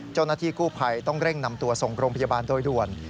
เจ้าหน้าที่กู้ภัยต้องเร่งนำตัวส่งโรงพยาบาลโดยด่วน